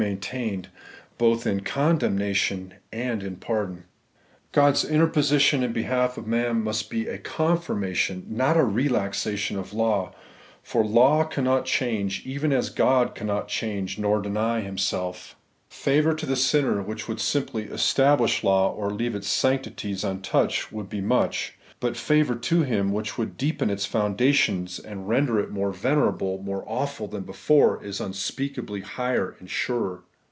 maintained, both in condemnation and in pardon. God's interposition in behalf of man must be a con firmation, not a relaxation of law : for law cannot change, even as Grod cannot change nor deny Himsell Favour to the sinner mnst be al3» faronr to the law. Favour to the sinner which would simplv establish law, or leave its sanctities untouched, would be much ; but favour to him which would deepen its foundations, and render it more venerable, more awful than before, is unspeakablv higher and surer.